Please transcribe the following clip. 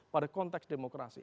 pada konteks demokrasi